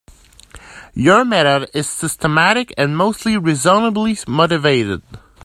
Your method is systematic and mostly reasonably motivated.